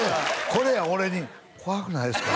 これや俺に「怖くないですか？」